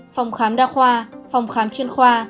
phòng khám đa khoa phòng khám chuyên khoa